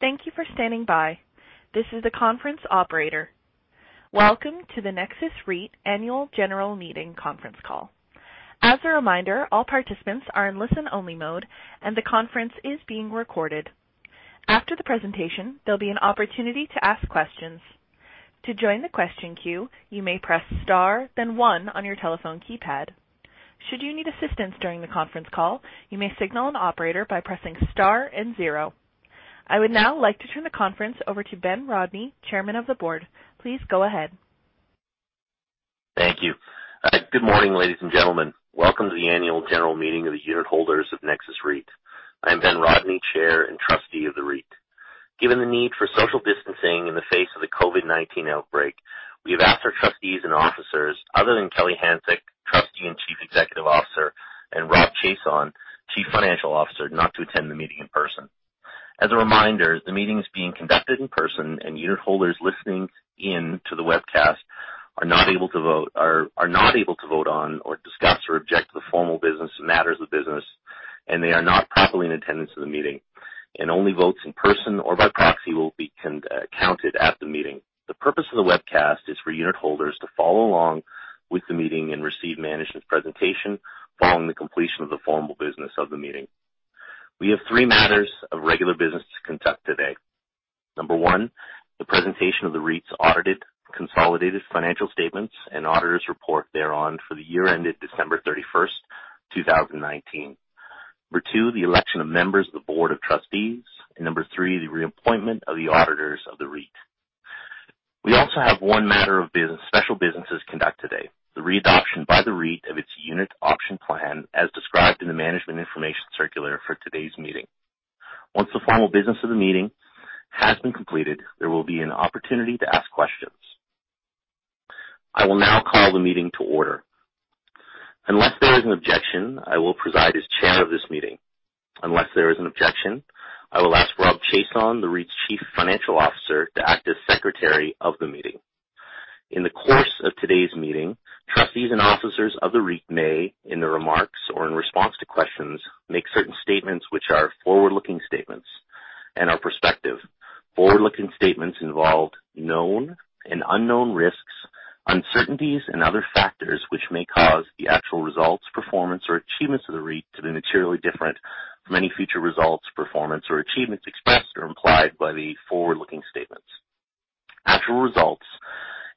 Thank you for standing by. This is the conference operator. Welcome to the Nexus Industrial REIT Annual General Meeting conference call. As a reminder, all participants are in listen-only mode, and the conference is being recorded. After the presentation, there'll be an opportunity to ask questions. To join the question queue, you may press star then one on your telephone keypad. Should you need assistance during the conference call, you may signal an operator by pressing star and zero. I would now like to turn the conference over to Ben Rodney, Chairman of the Board. Please go ahead. Thank you. Good morning, ladies and gentlemen. Welcome to the Annual General Meeting of the unitholders of Nexus REIT. I'm Ben Rodney, Chairman and Trustee of the REIT. Given the need for social distancing in the face of the COVID-19 outbreak, we have asked our Trustees and Officers, other than Kelly Hanczyk, Trustee and Chief Executive Officer, and Rob Chiasson, Chief Financial Officer, not to attend the meeting in person. As a reminder, the meeting is being conducted in person. Unitholders listening in to the webcast are not able to vote on or discuss or object to the formal business and matters of business. They are not properly in attendance of the meeting. Only votes in person or by proxy will be counted at the meeting. The purpose of the webcast is for unitholders to follow along with the meeting and receive management's presentation following the completion of the formal business of the meeting. We have three matters of regular business to conduct today. Number one, the presentation of the REIT's audited consolidated financial statements and auditors' report thereon for the year ended December 31st, 2019. Number two, the election of members of the board of trustees. Number three, the re-appointment of the auditors of the REIT. We also have one matter of special business to conduct today, the readoption by the REIT of its unit option plan as described in the management information circular for today's meeting. Once the formal business of the meeting has been completed, there will be an opportunity to ask questions. I will now call the meeting to order. Unless there is an objection, I will preside as chair of this meeting. Unless there is an objection, I will ask Rob Chiasson, the REIT's chief financial officer, to act as secretary of the meeting. In the course of today's meeting, trustees and officers of the REIT may, in their remarks or in response to questions, make certain statements which are forward-looking statements and are prospective. Forward-looking statements involve known and unknown risks, uncertainties, and other factors which may cause the actual results, performance, or achievements of the REIT to be materially different from any future results, performance, or achievements expressed or implied by the forward-looking statements. Actual results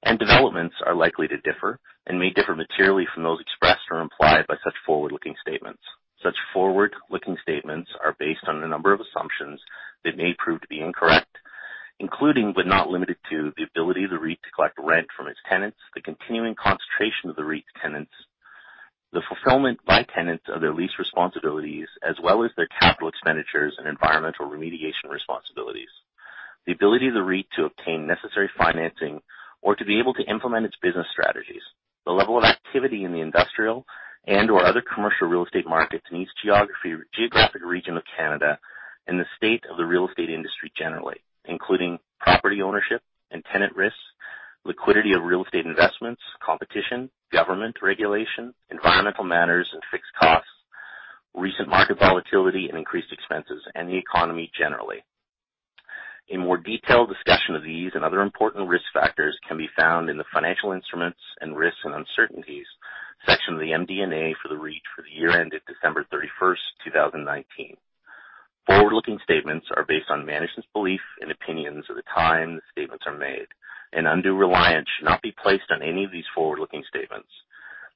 and developments are likely to differ and may differ materially from those expressed or implied by such forward-looking statements. Such forward-looking statements are based on a number of assumptions that may prove to be incorrect, including, but not limited to, the ability of the REIT to collect rent from its tenants, the continuing concentration of the REIT's tenants, the fulfillment by tenants of their lease responsibilities, as well as their capital expenditures and environmental remediation responsibilities, the ability of the REIT to obtain necessary financing or to be able to implement its business strategies, the level of activity in the industrial and/or other commercial real estate markets in each geographic region of Canada, and the state of the real estate industry generally, including property ownership and tenant risks, liquidity of real estate investments, competition, government regulation, environmental matters and fixed costs, recent market volatility and increased expenses, and the economy generally. A more detailed discussion of these and other important risk factors can be found in the Financial Instruments and Risks and Uncertainties section of the MD&A for the REIT for the year ended December 31st, 2019. Forward-looking statements are based on management's belief and opinions at the time the statements are made, and undue reliance should not be placed on any of these forward-looking statements.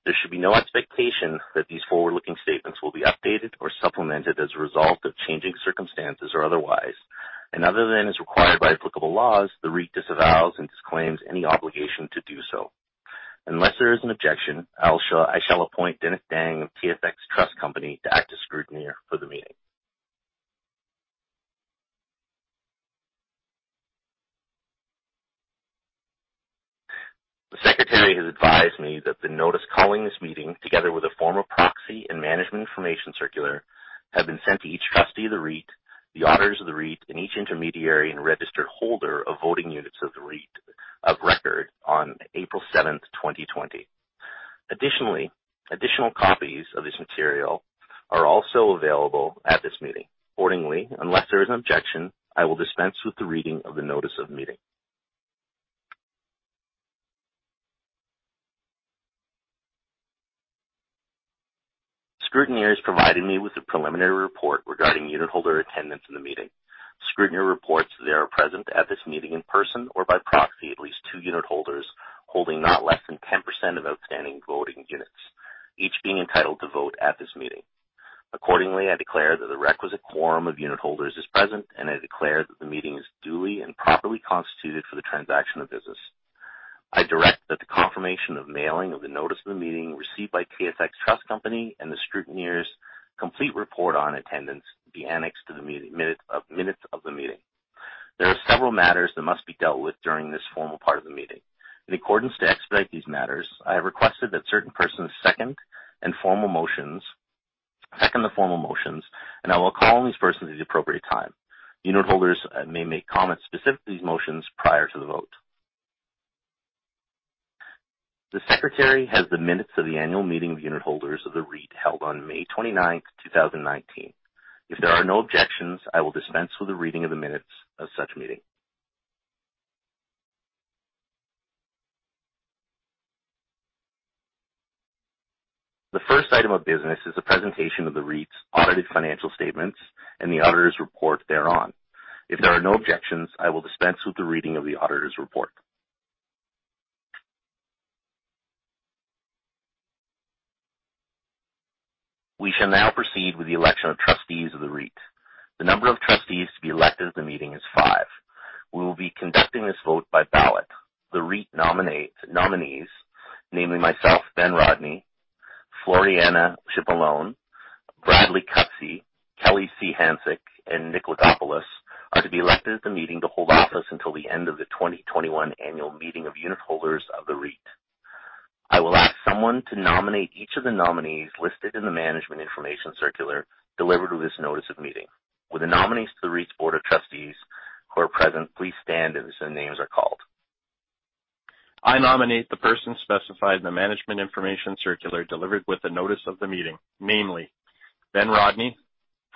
There should be no expectation that these forward-looking statements will be updated or supplemented as a result of changing circumstances or otherwise. Other than as required by applicable laws, the REIT disavows and disclaims any obligation to do so. Unless there is an objection, I shall appoint Dennis Dang of TSX Trust Company to act as scrutineer for the meeting. The secretary has advised me that the notice calling this meeting, together with a form of proxy and management information circular, have been sent to each trustee of the REIT, the auditors of the REIT, and each intermediary and registered holder of voting units of the REIT of record on April 7th, 2020. Additionally, additional copies of this material are also available at this meeting. Accordingly, unless there is an objection, I will dispense with the reading of the notice of meeting. Scrutineer has provided me with a preliminary report regarding unitholder attendance in the meeting. Scrutineer reports there are present at this meeting in person or by proxy at least two unitholders holding not less than 10% of outstanding voting units, each being entitled to vote at this meeting. Accordingly, I declare that the requisite quorum of unitholders is present, and I declare that the meeting is duly and properly constituted for the transaction of business. I direct that the confirmation of mailing of the notice of the meeting received by TSX Trust Company and the scrutineer's complete report on attendance be annexed to the minutes of the meeting. There are several matters that must be dealt with during this formal part of the meeting. In accordance to expedite these matters, I have requested that certain persons second the formal motions, and I will call on these persons at the appropriate time. Unitholders may make comments specific to these motions prior to the vote. The Secretary has the minutes of the annual meeting of unitholders of the REIT held on May 29th, 2019. If there are no objections, I will dispense with the reading of the minutes of such meeting. The first item of business is a presentation of the REIT's audited financial statements and the auditor's report thereon. If there are no objections, I will dispense with the reading of the auditor's report. We shall now proceed with the election of trustees of the REIT. The number of trustees to be elected at the meeting is five. We will be conducting this vote by ballot. The REIT nominees, namely myself, Ben Rodney, Floriana Cipollone, Bradley Cutsey, Kelly C. Hanczyk, and Nick Lagopoulos, are to be elected at the meeting to hold office until the end of the 2021 annual meeting of unitholders of the REIT. I will ask someone to nominate each of the nominees listed in the management information circular delivered with this notice of meeting. Will the nominees to the REIT's board of trustees who are present, please stand as their names are called. I nominate the persons specified in the management information circular delivered with the notice of the meeting, namely Ben Rodney,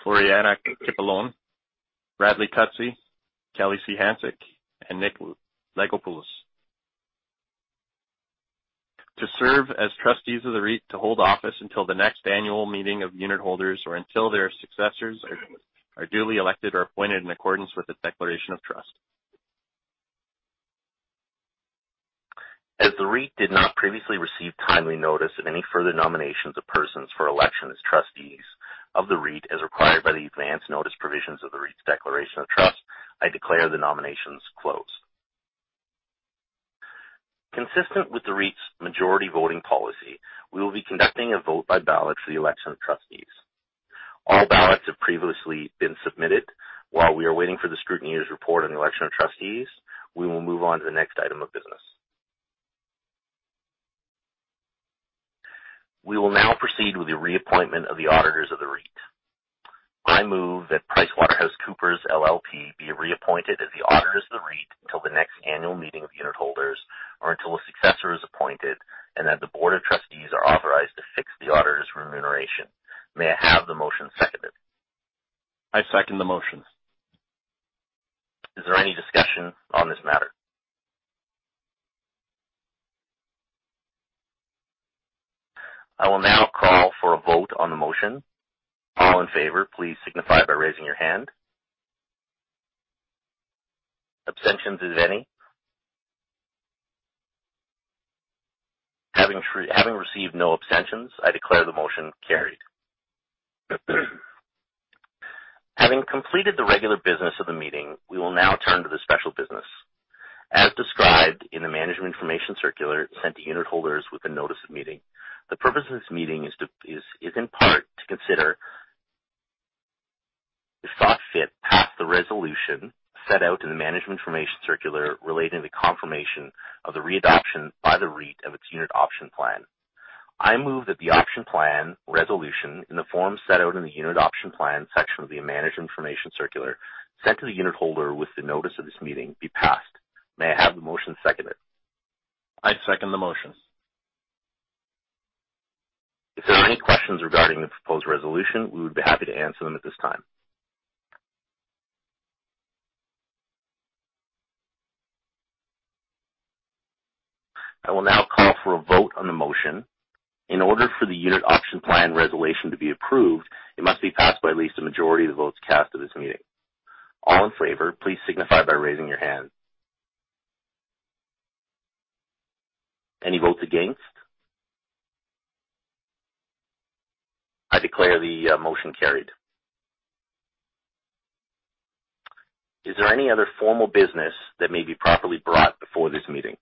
Floriana Cipollone, Bradley Cutsey, Kelly C. Hanczyk, and Nick Lagopoulos, to serve as trustees of the REIT to hold office until the next annual meeting of unitholders or until their successors are duly elected or appointed in accordance with the declaration of trust. As the REIT did not previously receive timely notice of any further nominations of persons for election as trustees of the REIT, as required by the advance notice provisions of the REIT's declaration of trust, I declare the nominations closed. Consistent with the REIT's majority voting policy, we will be conducting a vote by ballot for the election of trustees. All ballots have previously been submitted. While we are waiting for the scrutineer's report on the election of trustees, we will move on to the next item of business. We will now proceed with the reappointment of the auditors of the REIT. I move that PricewaterhouseCoopers LLP be reappointed as the auditors of the REIT until the next annual meeting of unitholders, or until a successor is appointed, and that the Board of Trustees are authorized to fix the auditor's remuneration. May I have the motion seconded? I second the motion. Is there any discussion on this matter? I will now call for a vote on the motion. All in favor, please signify by raising your hand. Abstentions, if any. Having received no abstentions, I declare the motion carried. Having completed the regular business of the meeting, we will now turn to the special business. As described in the management information circular sent to unitholders with the notice of meeting, the purpose of this meeting is in part to consider, if thought fit, pass the resolution set out in the management information circular relating to the confirmation of the readoption by the REIT of its Unit Option Plan. I move that the Option Plan Resolution, in the form set out in the Unit Option Plan section of the management information circular sent to the unitholder with the notice of this meeting, be passed. May I have the motion seconded? I second the motion. If there are any questions regarding the proposed resolution, we would be happy to answer them at this time. I will now call for a vote on the motion. In order for the unit option plan resolution to be approved, it must be passed by at least a majority of the votes cast at this meeting. All in favor, please signify by raising your hand. Any votes against? I declare the motion carried. Is there any other formal business that may be properly brought before this meeting?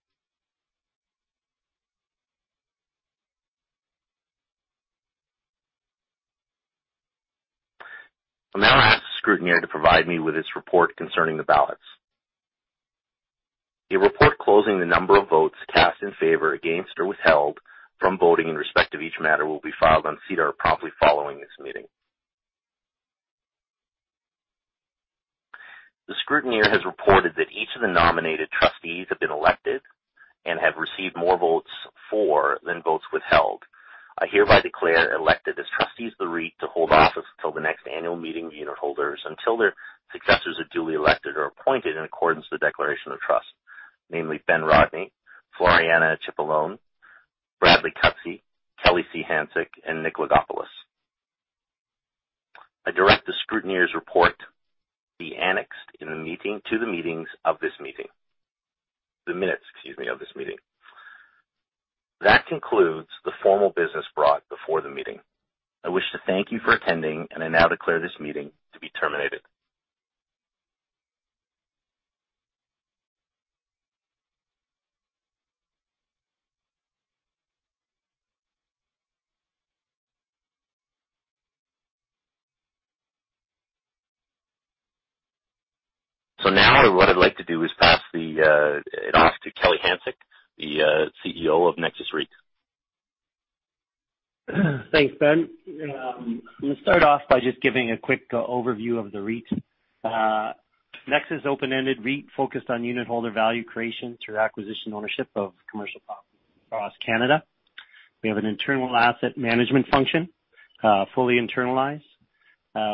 I'll now ask the scrutineer to provide me with his report concerning the ballots. A report closing the number of votes cast in favor, against, or withheld from voting in respect of each matter will be filed on SEDAR promptly following this meeting. The scrutineer has reported that each of the nominated trustees have been elected and have received more votes for than votes withheld. I hereby declare elected as trustees of the REIT to hold office until the next annual meeting of unitholders, until their successors are duly elected or appointed in accordance with the declaration of trust. Namely Ben Rodney, Floriana Cipollone, Bradley Cutsey, Kelly C. Hanczyk, and Nick Lagopoulos. I direct the scrutineer's report be annexed to the minutes of this meeting. That concludes the formal business brought before the meeting. I wish to thank you for attending, and I now declare this meeting to be terminated. Now what I'd like to do is pass it off to Kelly Hanczyk, the CEO of Nexus Industrial REIT. Thanks, Ben. I'm going to start off by just giving a quick overview of the REIT. Nexus Open-Ended REIT focused on unitholder value creation through acquisition ownership of commercial properties across Canada. We have an internal asset management function, fully internalized.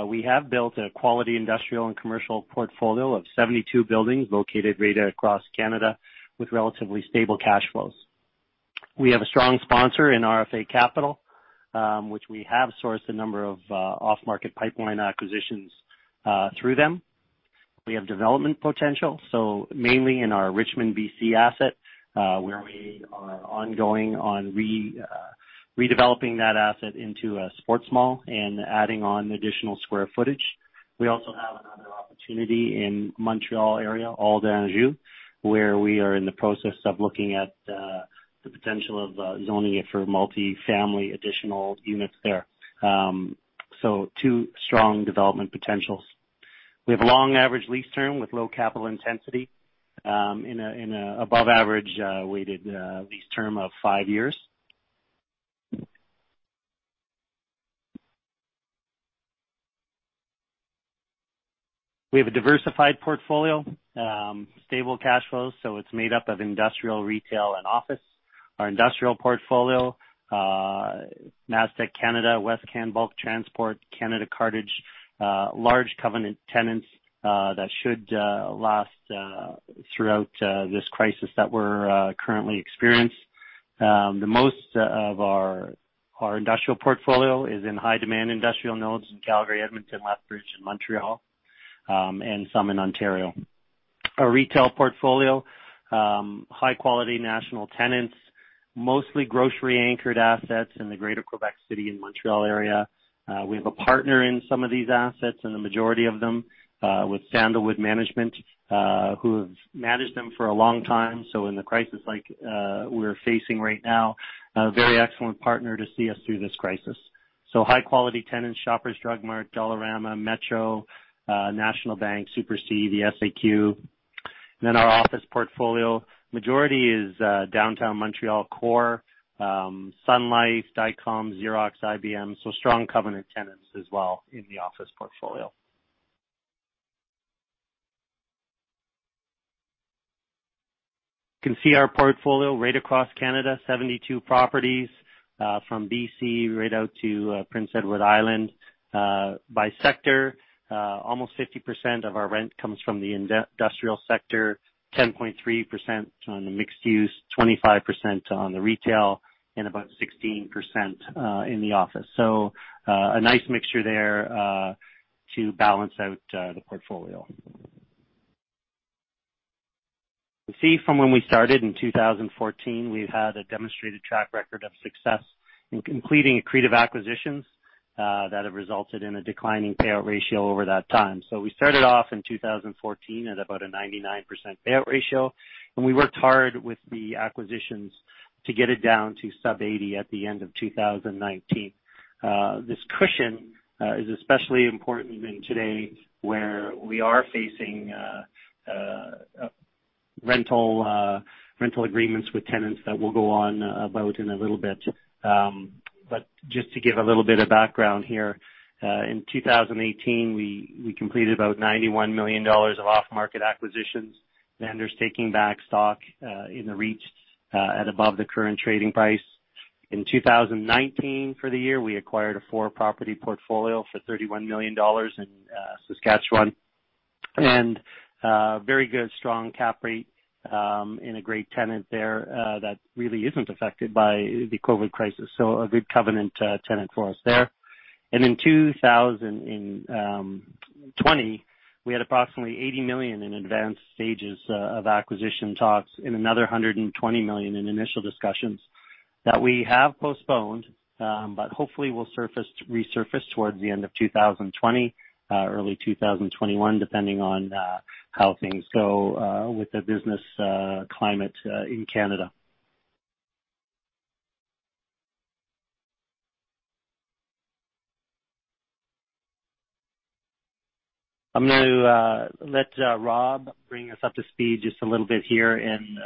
We have built a quality industrial and commercial portfolio of 72 buildings located right across Canada with relatively stable cash flows. We have a strong sponsor in RFA Capital, which we have sourced a number of off-market pipeline acquisitions through them. We have development potential, mainly in our Richmond, B.C. asset, where we are ongoing on redeveloping that asset into a sports mall and adding on additional square footage. We also have another opportunity in Montréal area, Old Anjou, where we are in the process of looking at the potential of zoning it for multi-family additional units there. Two strong development potentials. We have a long average lease term with low capital intensity, in an above-average weighted lease term of five years. We have a diversified portfolio. Stable cash flows, so it's made up of industrial, retail, and office. Our industrial portfolio, Nexans Canada, Westcan Bulk Transport, Canada Cartage, large covenant tenants that should last throughout this crisis that we're currently experiencing. The most of our industrial portfolio is in high demand industrial nodes in Calgary, Edmonton, Lethbridge, and Montreal, and some in Ontario. Our retail portfolio, high quality national tenants, mostly grocery-anchored assets in the greater Quebec City and Montreal area. We have a partner in some of these assets, in the majority of them, with Sandalwood Management, who have managed them for a long time. In the crisis like we're facing right now, a very excellent partner to see us through this crisis. High quality tenants, Shoppers Drug Mart, Dollarama, Metro, National Bank, Super C, the SAQ. Our office portfolio, majority is downtown Montreal core, Sun Life, Dycom, Xerox, IBM, strong covenant tenants as well in the office portfolio. You can see our portfolio right across Canada, 72 properties, from B.C. right out to Prince Edward Island. By sector, almost 50% of our rent comes from the industrial sector, 10.3% on the mixed use, 25% on the retail, and about 16% in the office. A nice mixture there to balance out the portfolio. You see from when we started in 2014, we've had a demonstrated track record of success in completing accretive acquisitions that have resulted in a declining payout ratio over that time. We started off in 2014 at about a 99% payout ratio, and we worked hard with the acquisitions to get it down to sub 80 at the end of 2019. This cushion is especially important in today where we are facing rental agreements with tenants that we'll go on about in a little bit. Just to give a little bit of background here. In 2018, we completed about 91 million dollars of off-market acquisitions, vendors taking back stock in the REIT at above the current trading price. In 2019, for the year, we acquired a four-property portfolio for 31 million dollars in Saskatchewan. Very good strong cap rate in a great tenant there that really isn't affected by the COVID-19. A good covenant tenant for us there. In 2020, we had approximately 80 million in advanced stages of acquisition talks and another 120 million in initial discussions that we have postponed but hopefully will resurface towards the end of 2020, early 2021 depending on how things go with the business climate in Canada. I'm going to let Rob bring us up to speed just a little bit here and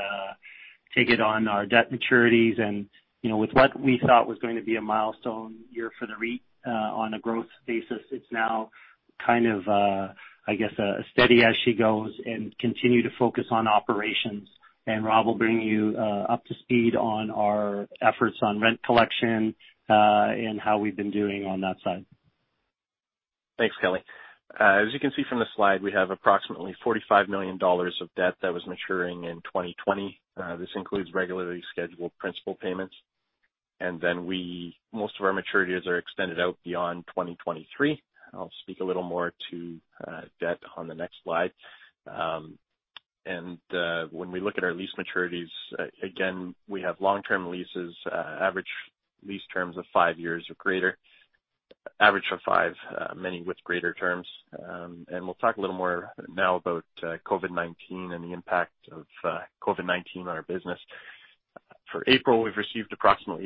take it on our debt maturities and with what we thought was going to be a milestone year for the REIT on a growth basis. It's now kind of, I guess a steady as she goes and continue to focus on operations. Rob will bring you up to speed on our efforts on rent collection and how we've been doing on that side. Thanks, Kelly. As you can see from the slide, we have approximately 45 million dollars of debt that was maturing in 2020. This includes regularly scheduled principal payments. Most of our maturities are extended out beyond 2023. I'll speak a little more to debt on the next slide. When we look at our lease maturities, again, we have long-term leases average lease terms of five years or greater. Average of five, many with greater terms. We'll talk a little more now about COVID-19 and the impact of COVID-19 on our business. For April, we've received approximately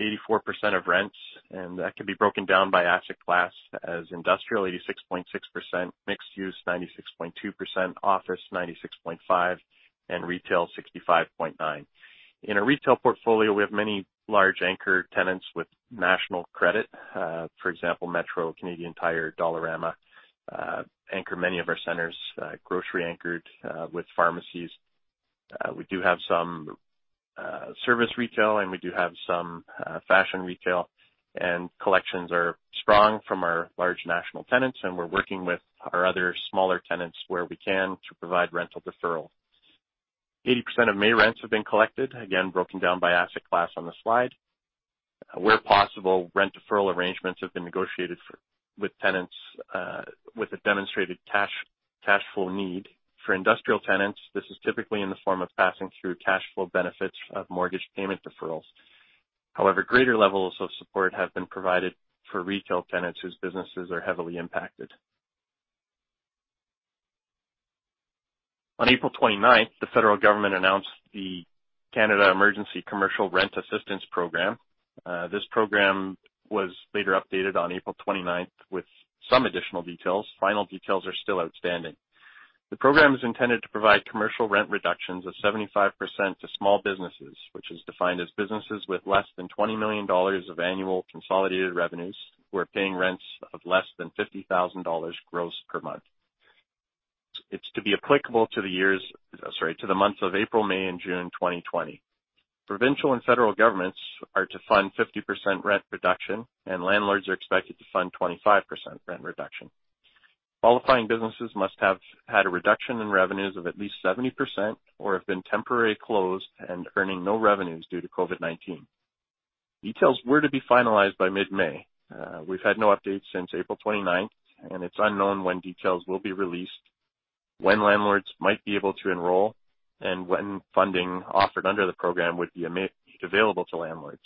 84% of rents, and that can be broken down by asset class as industrial 86.6%, mixed use 96.2%, office 96.5%, and retail 65.9%. In our retail portfolio, we have many large anchor tenants with national credit. For example, Metro, Canadian Tire, Dollarama anchor many of our centers grocery anchored with pharmacies. We do have some service retail, and we do have some fashion retail, and collections are strong from our large national tenants, and we're working with our other smaller tenants where we can to provide rental deferral. 80% of May rents have been collected, again, broken down by asset class on the slide. Where possible, rent deferral arrangements have been negotiated with tenants with a demonstrated cash flow need. For industrial tenants, this is typically in the form of passing through cash flow benefits of mortgage payment deferrals. However, greater levels of support have been provided for retail tenants whose businesses are heavily impacted. On April 29th, the federal government announced the Canada Emergency Commercial Rent Assistance program. This program was later updated on April 29th with some additional details. Final details are still outstanding. The program is intended to provide commercial rent reductions of 75% to small businesses, which is defined as businesses with less than 20 million dollars of annual consolidated revenues who are paying rents of less than 50,000 dollars gross per month. It's to be applicable to the months of April, May, and June 2020. Provincial and federal governments are to fund 50% rent reduction, and landlords are expected to fund 25% rent reduction. Qualifying businesses must have had a reduction in revenues of at least 70% or have been temporarily closed and earning no revenues due to COVID-19. Details were to be finalized by mid-May. We've had no updates since April 29th, and it's unknown when details will be released, when landlords might be able to enroll, and when funding offered under the program would be available to landlords.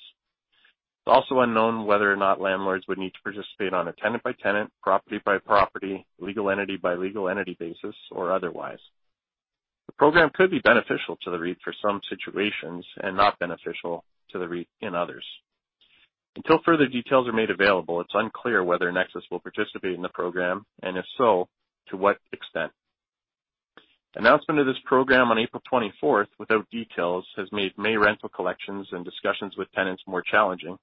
It's also unknown whether or not landlords would need to participate on a tenant-by-tenant, property-by-property, legal entity-by-legal entity basis or otherwise. The program could be beneficial to the REIT for some situations and not beneficial to the REIT in others. Until further details are made available, it's unclear whether Nexus will participate in the program and if so, to what extent. Announcement of this program on April 24th without details has made May rental collections and discussions with tenants more challenging.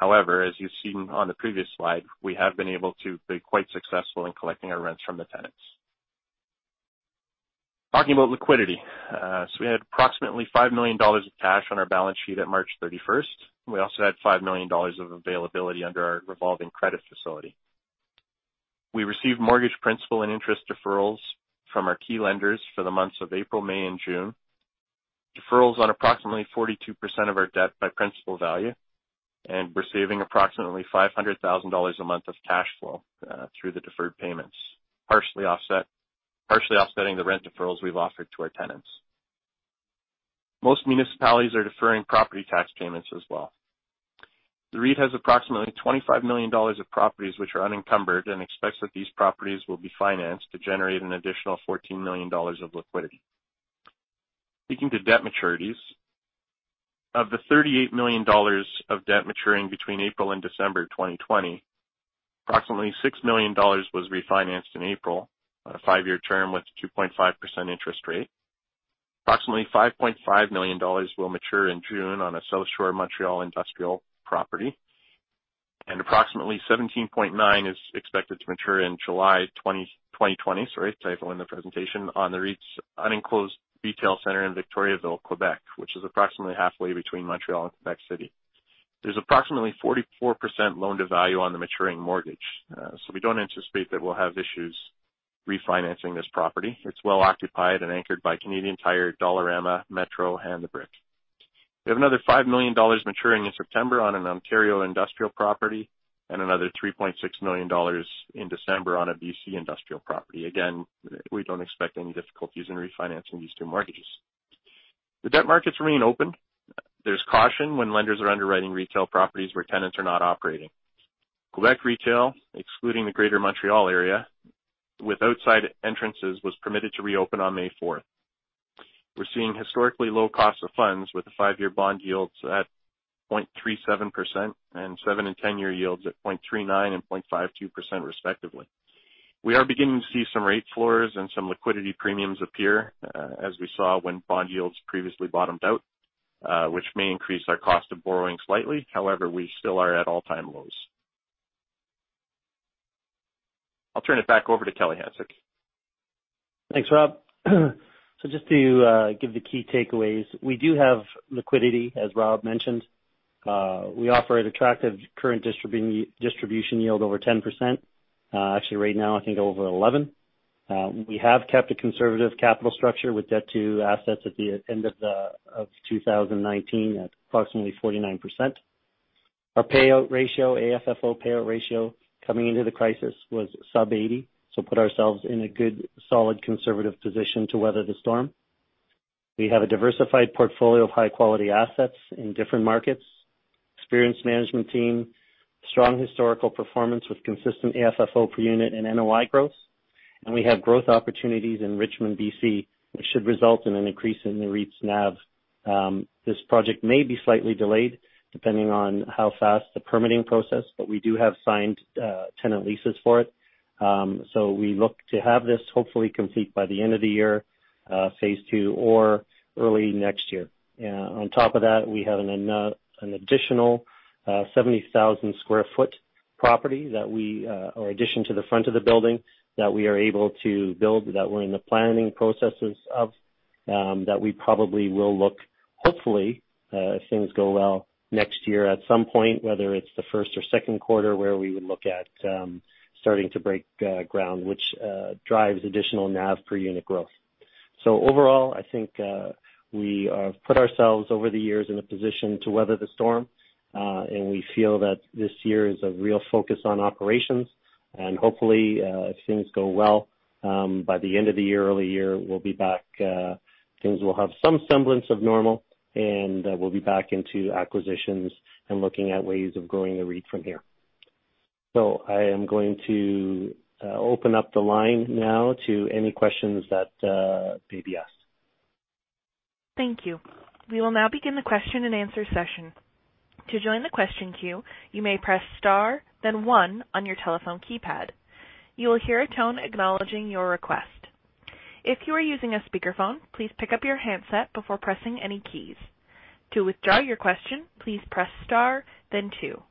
As you've seen on the previous slide, we have been able to be quite successful in collecting our rents from the tenants. Talking about liquidity. We had approximately 5 million dollars of cash on our balance sheet on March 31st. We also had 5 million dollars of availability under our revolving credit facility. We received mortgage principal and interest deferrals from our key lenders for the months of April, May, and June. Deferrals on approximately 42% of our debt by principal value, and we're saving approximately 500,000 dollars a month of cash flow through the deferred payments, partially offsetting the rent deferrals we've offered to our tenants. Most municipalities are deferring property tax payments as well. The REIT has approximately 25 million dollars of properties which are unencumbered and expects that these properties will be financed to generate an additional 14 million dollars of liquidity. Speaking to debt maturities. Of the 38 million dollars of debt maturing between April and December 2020, approximately 6 million dollars was refinanced in April on a five-year term with 2.5% interest rate. Approximately 5.5 million dollars will mature in June on a South Shore Montreal industrial property. Approximately 17.9 is expected to mature in July 2020 on the REIT's unenclosed retail center in Victoriaville, Quebec, which is approximately halfway between Montreal and Quebec City. There's approximately 44% loan to value on the maturing mortgage. We don't anticipate that we'll have issues refinancing this property. It's well occupied and anchored by Canadian Tire, Dollarama, Metro, and The Brick. We have another 5 million dollars maturing in September on an Ontario industrial property and another 3.6 million dollars in December on a B.C. industrial property. Again, we don't expect any difficulties in refinancing these two mortgages. The debt markets remain open. There's caution when lenders are underwriting retail properties where tenants are not operating. Quebec retail, excluding the greater Montreal area, with outside entrances, was permitted to reopen on May 4th. We're seeing historically low cost of funds with the 5-year bond yields at 0.37% and 7 and 10-year yields at 0.39 and 0.52% respectively. We are beginning to see some rate floors and some liquidity premiums appear as we saw when bond yields previously bottomed out, which may increase our cost of borrowing slightly. However, we still are at all-time lows. I'll turn it back over to Kelly Hanczyk. Thanks, Rob. Just to give the key takeaways, we do have liquidity, as Rob mentioned. We offer an attractive current distribution yield over 10%. Actually right now, I think over 11%. We have kept a conservative capital structure with debt to assets at the end of 2019 at approximately 49%. Our payout ratio, AFFO payout ratio, coming into the crisis was sub 80%, so put ourselves in a good, solid, conservative position to weather the storm. We have a diversified portfolio of high-quality assets in different markets. Experienced management team, strong historical performance with consistent AFFO per unit and NOI growth. We have growth opportunities in Richmond, B.C., which should result in an increase in the REIT's NAV. This project may be slightly delayed depending on how fast the permitting process, but we do have signed tenant leases for it. We look to have this hopefully complete by the end of the year, phase two, or early next year. On top of that, we have an additional 70,000 sq ft property, or addition to the front of the building, that we are able to build, that we're in the planning processes of, that we probably will look, hopefully, if things go well, next year at some point, whether it's the first or second quarter, where we would look at starting to break ground, which drives additional NAV per unit growth. Overall, I think we have put ourselves over the years in a position to weather the storm. We feel that this year is a real focus on operations. Hopefully, if things go well, by the end of the year, early year, things will have some semblance of normal, and we'll be back into acquisitions and looking at ways of growing the REIT from here. I am going to open up the line now to any questions that may be asked. Thank you. We will now begin the question and answer session. To join the question queue, you may press star then one on your telephone keypad. You will hear a tone acknowledging your request. If you are using a speakerphone, please pick up your handset before pressing any keys. To withdraw your question, please press star then two.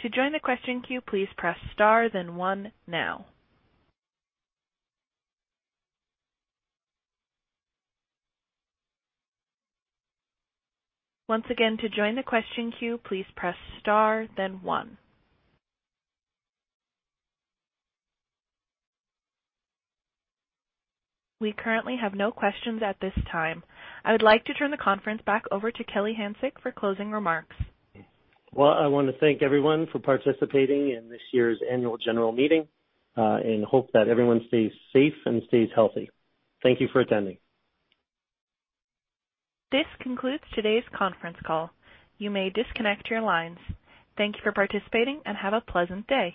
To join the question queue, please press star then one now. Once again, to join the question queue, please press star then one. We currently have no questions at this time. I would like to turn the conference back over to Kelly Hanczyk for closing remarks. I want to thank everyone for participating in this year's annual general meeting, and hope that everyone stays safe and stays healthy. Thank you for attending. This concludes today's conference call. You may disconnect your lines. Thank you for participating, and have a pleasant day.